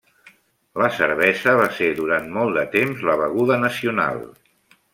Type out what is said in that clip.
La cervesa va ser durant molt de temps la beguda nacional.